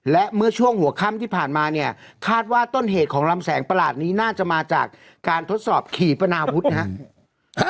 และเมื่อช่วงหัวค่ำที่ผ่านมาเนี่ยคาดว่าต้นเหตุของลำแสงประหลาดนี้น่าจะมาจากการทดสอบขี่ปนาวุฒินะครับ